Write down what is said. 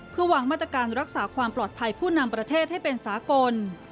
เพื่อวางมาตรการรักษาความปลอดภัยผู้นำประเทศให้เป็นสากล